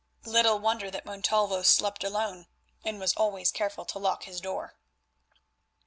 Little wonder that Montalvo slept alone and was always careful to lock his door.